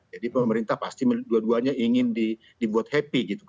jadi pemerintah pasti dua duanya ingin dibuat happy